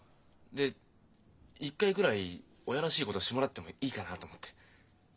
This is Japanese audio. で一回ぐらい親らしいことをしてもらってもいいかなと思って。